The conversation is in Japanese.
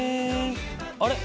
あれ？